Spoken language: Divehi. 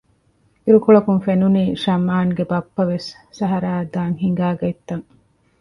އިރުކޮޅަކުން ފެނުނީ ޝަމްއާންގެ ބައްޕަވެސް ސަހަރާއަށް ދާން ހިނގައިގަތްތަން